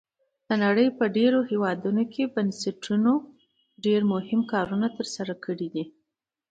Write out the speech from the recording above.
د نړۍ په ډیری هیوادونو کې بنسټونو ډیر مهم کارونه تر سره کړي.